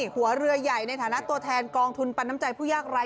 หัวเรือใหญ่ในฐานะตัวแทนกองทุนปันน้ำใจผู้ยากไร้